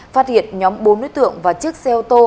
phát hiện nhóm bốn đối tượng và chiếc xe ô tô